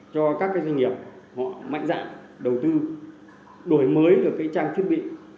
cho các doanh nghiệp mạnh dạng đầu tư đổi mới trang thiết bị